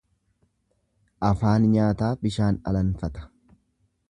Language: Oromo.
Afaan nyaataa bishaan alanfata.